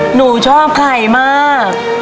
หนูชอบไข่มาก